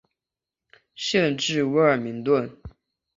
县治威尔明顿。